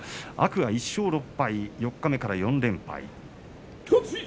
天空海、１勝６敗四日目から４連敗。